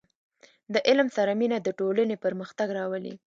• د علم سره مینه، د ټولنې پرمختګ راولي.